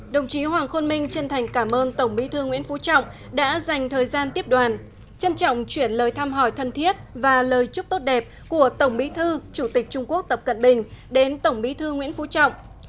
đồng chí hoàng khôn minh chân thành cảm ơn tổng bí thư nguyễn phú trọng đã dành thời gian tiếp đoàn trân trọng chuyển lời thăm hỏi thân thiết và lời chúc tốt đẹp của tổng bí thư chủ tịch trung quốc tập cận bình đến tổng bí thư nguyễn phú trọng